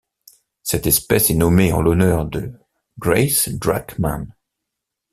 Cette espèce est nommée en l'honneur de Grace Drachman.